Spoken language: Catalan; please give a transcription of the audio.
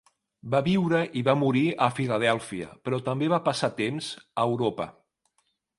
Va viure i va morir a Filadèlfia, però també va passar temps a Europa.